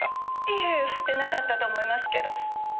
いえ降ってなかったと思いますけど。